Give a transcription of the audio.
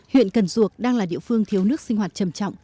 huyện cần duộc đang là địa phương thiếu nước sinh hoạt trầm trọng